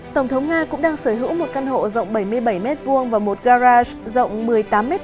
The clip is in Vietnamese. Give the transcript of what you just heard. tổng thống nga cũng đang sở hữu một căn hộ rộng bảy mươi bảy m hai và một garat rộng một mươi tám m hai